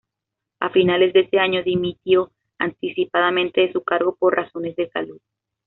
A finales de ese año, dimitió anticipadamente de su cargo por razones de salud.